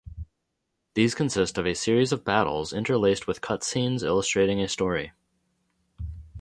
These consist of a series of battles interlaced with cut scenes illustrating a story.